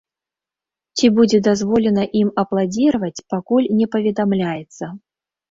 Ці будзе дазволена ім апладзіраваць, пакуль не паведамляецца.